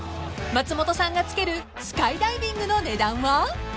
［松本さんが付けるスカイダイビングの値段は？］